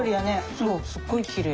そうすごいきれい。